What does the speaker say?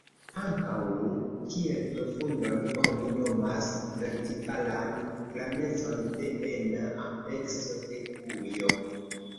Ankaŭ kiel profundon oni nomas vertikalan grandecon de ena amplekso de ujo.